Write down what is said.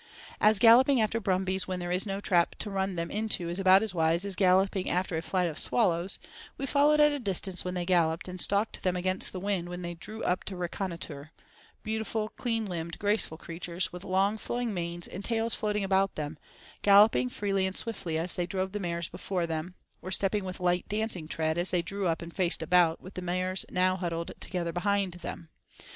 As galloping after brumbies when there is no trap to run them into is about as wise as galloping after a flight of swallows, we followed at a distance when they galloped, and stalked them against the wind when they drew up to reconnoitre: beautiful, clean limbed, graceful creatures, with long flowing manes and tails floating about them, galloping freely and swiftly as they drove the mares before them, or stepping with light, dancing tread as they drew up and faced about, with the mares now huddled together behind them.